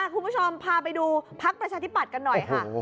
คุณผู้ชมพาไปดูพักประชาธิปัตย์กันหน่อยค่ะ